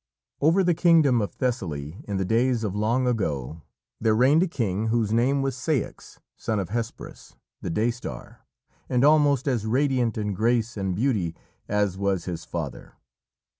Over the kingdom of Thessaly, in the days of long ago, there reigned a king whose name was Ceyx, son of Hesperus, the Day Star, and almost as radiant in grace and beauty as was his father.